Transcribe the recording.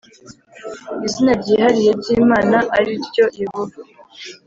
Izina ryihariye ryimana ari ryo yehova